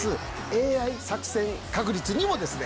「ＡＩ作戦確率」にもですね